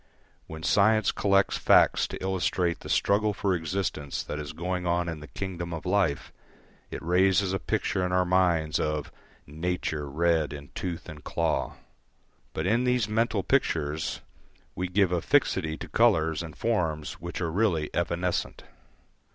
When science collects facts to illustrate the struggle for existence that is going on in the kingdom of life, it raises a picture in our minds of "nature red in tooth and claw." But in these mental pictures we give a fixity to colours and forms which are really evanescent.